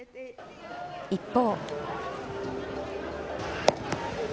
一方。